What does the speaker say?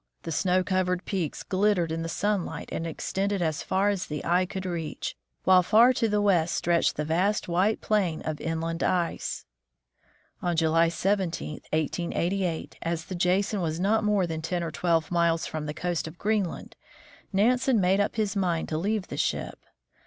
The snow covered peaks glittered in the sunlight and extended as far as the eye could reach, while far to the west stretched the vast white plain of inland ice. On July 17, 1888, as the Jason was not more than ten or twelve miles from the coast of Greenland, Nansen made up his mind to leave the ship.